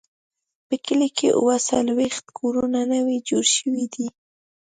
په کلي کې اووه څلوېښت کورونه نوي جوړ شوي دي.